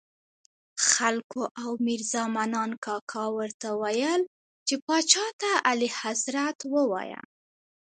خلکو او میرزا منان کاکا ورته ویل چې پاچا ته اعلیحضرت ووایه.